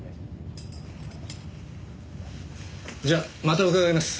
じゃまた伺います。